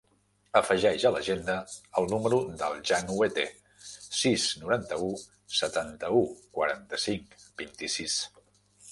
Afegeix a l'agenda el número del Jan Huete: sis, noranta-u, setanta-u, quaranta-cinc, vint-i-sis.